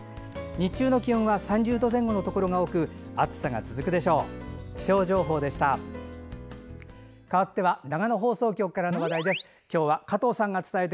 日中の気温は３０度前後のところが多く暑さが続くでしょう。